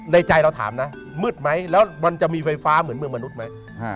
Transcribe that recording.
ใจเราถามนะมืดไหมแล้วมันจะมีไฟฟ้าเหมือนเมืองมนุษย์ไหม